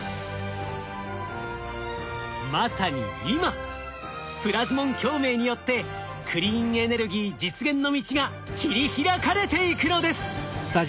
まさに今プラズモン共鳴によってクリーンエネルギー実現の道が切り開かれていくのです！